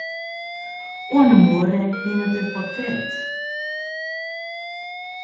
Oan 'e muorre hinget in portret.